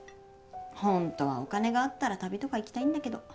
本当はお金があったら旅とか行きたいんだけど。